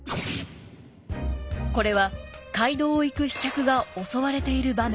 これは街道を行く飛脚が襲われている場面です。